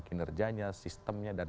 kinerjanya sistemnya dan